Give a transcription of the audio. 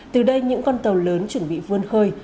từ đây những con tàu lớn chuẩn bị vươn khơi